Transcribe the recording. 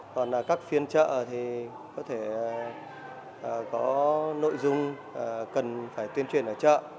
còn các phiên chợ thì có thể có nội dung cần phải tuyên truyền ở chợ